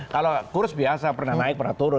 kalau kurs biasa pernah naik pernah turun